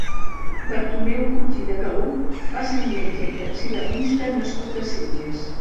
Bartomeu Puig i de Galup va ser un metge i taxidermista nascut a Sitges.